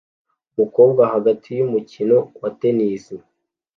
Umukobwa hagati yumukino wa tennis